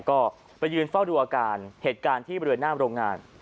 ก็ไปยืนเฝ้าดูอาการเหตุการณ์ที่บริเวณหน้าโรงงาน